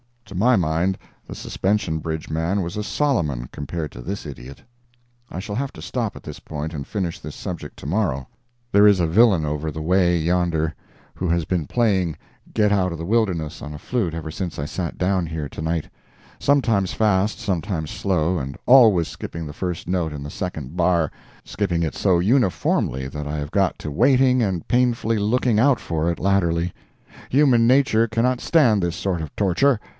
To my mind the suspension bridge man was a Solomon compared to this idiot. [I shall have to stop at this point and finish this subject to morrow. There is a villain over the way, yonder, who has been playing "Get out of the Wilderness" on a flute ever since I sat down here to night—sometimes fast, sometimes slow, and always skipping the first note in the second bar—skipping it so uniformly that I have got to waiting and painfully looking out for it latterly. Human nature cannot stand this sort of torture.